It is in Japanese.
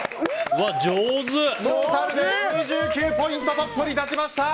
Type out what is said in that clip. トータルで２９ポイントトップに立ちました！